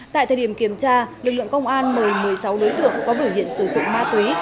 tại thời điểm kiểm tra lực lượng công an mời một mươi sáu đối tượng có biểu hiện sử dụng ma túy